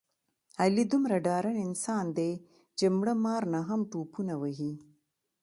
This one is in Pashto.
علي دومره ډارن انسان دی، چې مړه مار نه هم ټوپونه وهي.